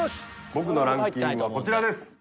僕のランキングはこちらです。